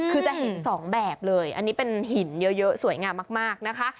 คือจะเห็นสองแบบเลยอันนี้เป็นหินเยอะสวยงามมากนะคะ